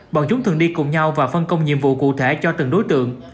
bọn chúng thường đi cùng nhau và phân công nhiệm vụ cụ thể cho từng đối tượng